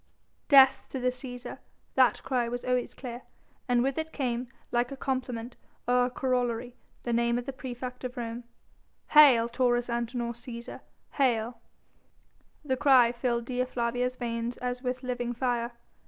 "Death to the Cæsar!" That cry was always clear, and with it came, like a complement or a corollary, the name of the praefect of Rome. "Hail Taurus Antinor Cæsar! Hail!" The cry filled Dea Flavia's veins as with living fire.